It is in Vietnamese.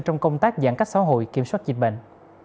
trong công tác giãn cách xã hội kiểm soát dịch bệnh